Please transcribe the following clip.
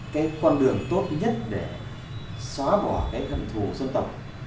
cái con đường tốt nhất để xóa bỏ cái gận thù dân tộc